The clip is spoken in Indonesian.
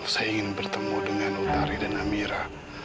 saya ingin bertemu dengan nurari dan amira